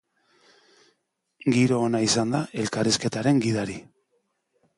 Giro ona izan da elkarrizketaren gidari!